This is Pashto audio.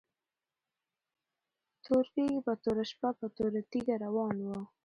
تور کيږی په توره شپه په توره تيږه روان وو